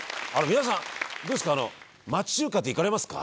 皆さんどうですか？